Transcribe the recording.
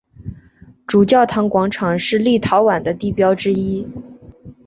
主教座堂广场是立陶宛的地标之一。